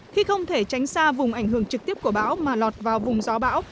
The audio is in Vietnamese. khi không thể tránh xa vùng ảnh hưởng trực tiếp của bão mà lọt vào vùng gió bão